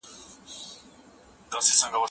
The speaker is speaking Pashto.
صحرا او ریګ د پښتو په کلاسیکو شعرونو کې شته.